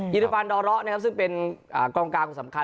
ยินดีปราณดรซึ่งเป็นกรรมการคุณสำคัญ